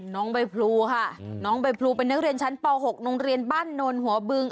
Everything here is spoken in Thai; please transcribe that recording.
น้องใบพลูค่ะน้องใบพลูเป็นนักเรียนชั้นป๖โรงเรียนบ้านโนนหัวบึง